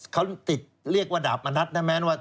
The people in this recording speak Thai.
เขาติดเรียกว่าดาบมณัฐนะแม้นว่า